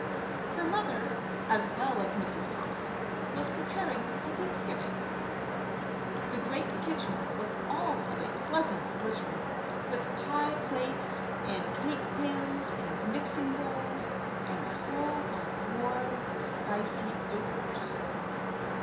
Her mother, as well as Mrs. Thompson, was preparing for Thanksgiving. The great kitchen was all of a pleasant litter with pie plates and cake pans and mixing bowls, and full of warm, spicy odours.